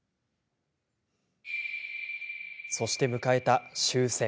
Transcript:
そして迎えた、終戦。